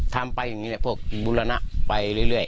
ทำไปอย่างนี้แหละพวกบุรณะไปเรื่อย